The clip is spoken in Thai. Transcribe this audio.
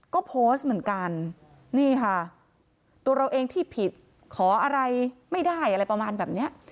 ก็โพสต์เหมือนกันนี่ค่ะตัวเราเองที่ผิดขออะไรไม่ได้อะไรประมาณแบบเนี้ย